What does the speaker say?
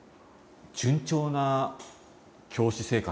順調な教師生活。